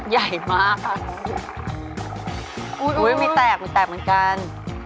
ใหญ่มากมีแตกมีแตกเหมือนกัน